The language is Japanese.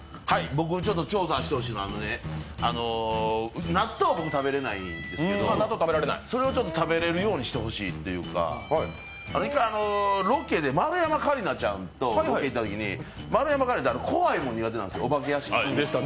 僕調査してほしいのは納豆僕、食べれないんですけどそれを食べれるようにしてほしいというか、１回ロケで丸山桂里奈ちゃんとロケ行ったときに、丸山桂里奈ちゃん、怖いもの苦手なんです、お化け屋敷とか。